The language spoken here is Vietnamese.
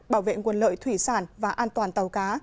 bảo vệ nguồn lợi thủy sản và an toàn tàu cá